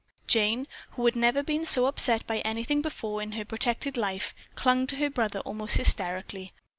Jane, who had never been so upset by anything before in her protected life, clung to her brother almost hysterically.